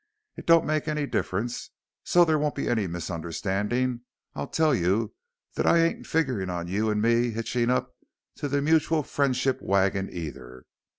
It don't make any difference. So there won't be any misunderstanding I'll tell you that I ain't figgering on you and me hitching up to the mutual friendship wagon either.